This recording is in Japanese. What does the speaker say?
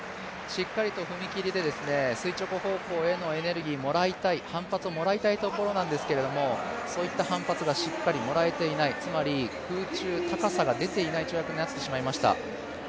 しっかりと踏み切りで垂直方向へのエネルギー、反発をもらいたいところなんですがそういった反発がしっかりもらえていない、つまり空中、高さが出ていない跳躍になってしまいました。